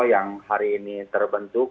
yang hari ini terbentuk